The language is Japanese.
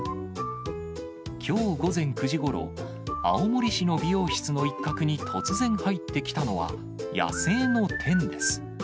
きょう午前９時ごろ、青森市の美容室の一角に突然入ってきたのは、野生のテンです。